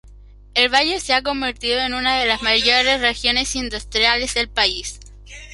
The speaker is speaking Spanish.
El valle se ha convertido en una de las mayores regiones industriales del país.